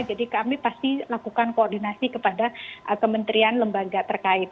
jadi kami pasti lakukan koordinasi kepada kementerian lembaga terkait